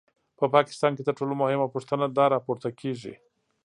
په پاکستان کې تر ټولو مهمه پوښتنه دا راپورته کېږي.